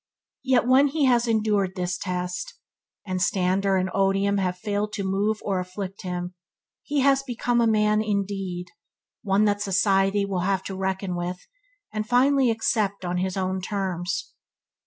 Yet when he has endured this test, and stander and odium have failed to move or afflict him, he has become a man indeed, one that society will have to reckon with, and finally accept on his own terms.